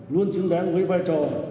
luôn chứng đáng với vai trò